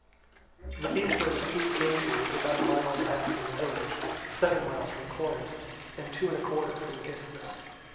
The beach where the fleet came to is about a mile and a half from the village, seven miles from Corinth, and two and a quarter from the Isthmus.